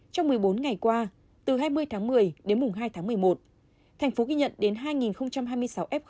trong một mươi bốn ngày qua từ hai mươi tháng một mươi đến hai tháng một mươi một thành phố ghi nhận đến hai hai mươi sáu f một